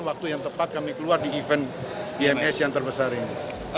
waktu yang tepat kami keluar di event ims yang terbesar ini